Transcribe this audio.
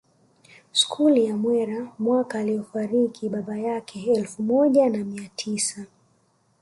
Skuli ya Mwera mwaka aliofariki baba yake elfu moja na mia tisa